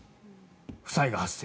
負債が発生。